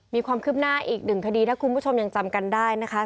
มีความคืบหน้าอีกหนึ่งคดีถ้าคุณผู้ชมยังจำกันได้นะคะ